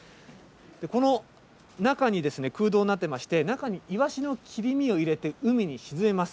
この中に、空洞になってまして、中にイワシの切り身を入れて海に沈めます。